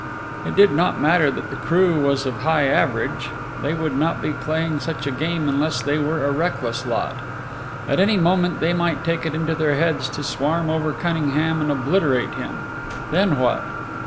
It did not matter that the crew was of high average. They would not be playing such a game unless they were a reckless lot. At any moment they might take it into their heads to swarm over Cunningham and obliterate him. Then what?